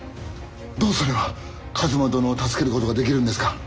どうすれば一馬殿を助けることができるんですか？